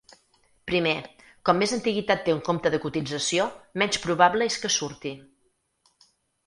Primer, com més antiguitat té un compte de cotització, menys probable és que surti.